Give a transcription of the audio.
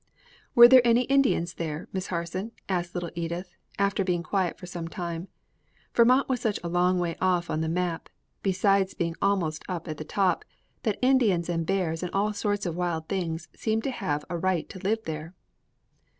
"Were there any Indians there, Miss Harson?" asked little Edith, after being quiet for some time. Vermont was such a long way off on the map, besides being up almost at the top, that Indians and bears and all sorts of wild things seemed to have a right to live there.